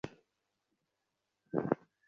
ঐটে দিয়ে শিষ্যেরা কৌপীন এঁটে বেঁধে রাখত।